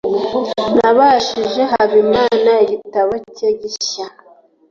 nabajije habimana igitabo cye gishya